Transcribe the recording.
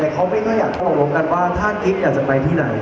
กิฟต์ไม่อยากไปที่ไหน